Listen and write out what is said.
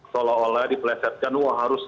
seolah olah diplesetkan wah harus